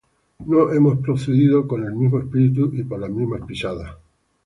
¿no hemos procedido con el mismo espíritu y por las mismas pisadas?